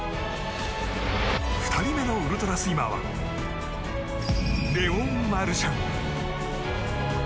２人目のウルトラスイマーはレオン・マルシャン。